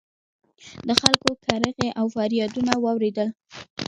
د خلکو کریغې او فریادونه واورېدل